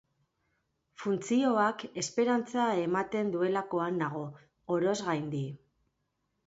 Funtzioak esperantza ematen duelakoan nago, oroz gaindi.